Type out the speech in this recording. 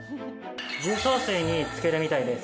重曹水に漬けるみたいです。